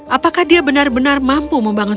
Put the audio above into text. apakah dia benar benar mampu membangun